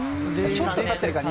ちょっとたってるか。